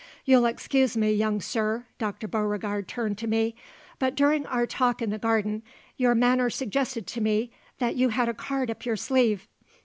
You'll excuse me, young sir" Dr. Beauregard turned to me "but during our talk in the garden, your manner suggested to me that you had a card up your sleeve.